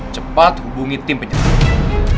cepat hubungi tim penyelidikan